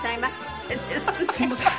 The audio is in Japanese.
「すいません。